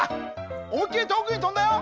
おもいっきりとおくにとんだよ！